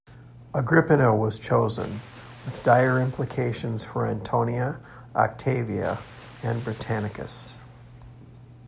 Agrippina was chosen, with dire implications for Antonia, Octavia, and Britannicus.